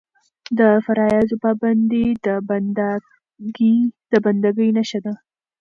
د فرایضو پابندي د بنده ګۍ نښه ده.